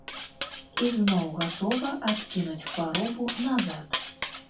Ізноў гатова адкінуць хваробу назад.